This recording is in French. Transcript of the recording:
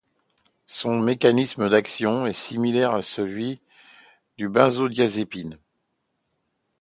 Son mécanisme d'action est similaire à celui des benzodiazépines.